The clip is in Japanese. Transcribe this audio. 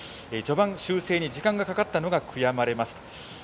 序盤、修正に時間がかかったのが悔やまれます。